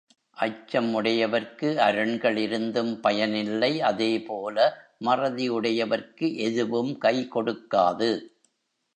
அச்சம் உடையவர்க்கு அரண்கள் இருந்தும் பயனில்லை அதே போல மறதி உடையவர்க்கு எதுவும் கைகொடுக்காது.